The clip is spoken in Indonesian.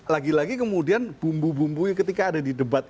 lagi lagi kemudian bumbu bumbunya ketika ada di debat